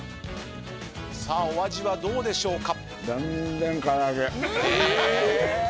さあお味はどうでしょうか？